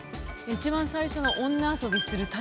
一番最初の「女遊びするタイプ」。